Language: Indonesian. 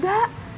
tidak ada apa apa